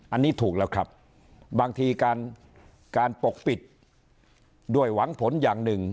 อันนี้ถูกแล้วครับบางทีการปกปิดด้วยหวังผลอย่างหนึ่ง